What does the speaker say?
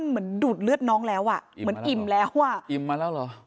ดูดเลือดน้องแล้วอ่ะเหมือนอิ่มแล้วอ่ะอิ่มมาแล้วเหรอ